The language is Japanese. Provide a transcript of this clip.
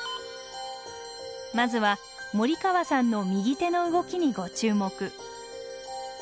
まずは森川さんの右手の動きにご注目。